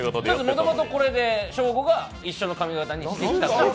もともとこれで、ショーゴが一緒の髪型にしてきた。